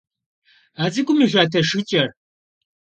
А цӏыкӏум и шатэ шхыкӏэр.